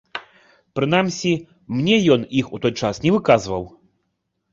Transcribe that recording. Прынамсі, мне ён іх у той час не выказваў.